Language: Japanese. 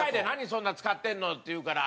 そんな使ってんのって言うから。